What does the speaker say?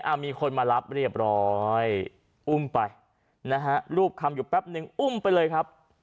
มีคนมารับเรียบร้อยอุ้มไปนะฮะรูปคำอยู่แป๊บนึงอุ้มไปเลยครับ